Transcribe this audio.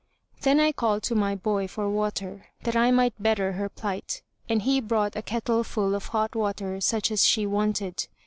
Then I called to my boy for water, that I might better her plight, and he brought a kettle full of hot water such as she wanted.